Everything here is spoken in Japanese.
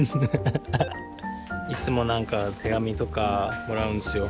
いつも何か手紙とかもらうんですよ。